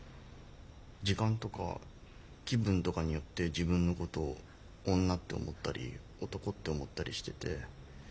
時間とか気分とかによって自分のことを女って思ったり男って思ったりしてて。